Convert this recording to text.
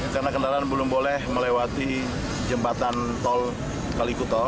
karena kendaraan belum boleh melewati jembatan tol kalikuto